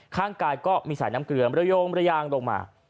ข้างกายก็มีสายน้ำเกลือเมื่อโยมเมื่อยางลงมา